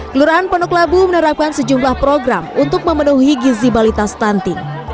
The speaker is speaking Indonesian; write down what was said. kelurahan pondok labu menerapkan sejumlah program untuk memenuhi gizi balita stunting